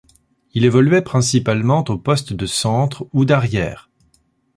Il évoluait principalement au poste de centre ou d'arrière.